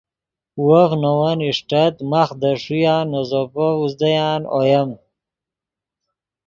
وف نے ون اݰٹت ماخ دے ݰویہ نے زوپف اوزدیان اویم